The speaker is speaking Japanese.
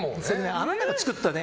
あなたが作ったね。